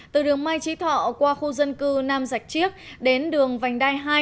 từ đường mai trí thọ qua khu dân cư nam giạch chiếc đến đường vành đai hai